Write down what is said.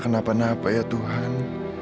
kenapa napa ya tuhan